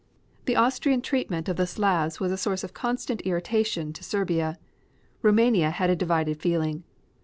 The Austrian treatment of the Slavs was a source of constant irritation to Serbia. Roumania had a divided feeling.